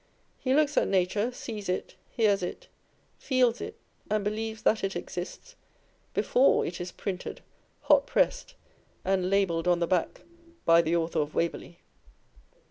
He looks at nature, sees it, hears it, feels it, and believes that it exists, before it is printed, hotpressed, and Libelled on the back, By the Author of Waverlcy.